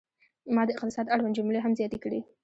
ما د اقتصاد اړوند جملې هم زیاتې کړې.